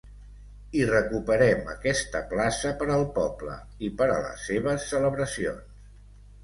I recuperem aquesta plaça per al poble i per a les seves celebracions.